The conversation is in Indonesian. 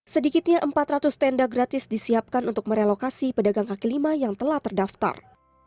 sedikitnya empat ratus tenda gratis disiapkan untuk merelokasi pedagang kaki lima yang telah terdaftar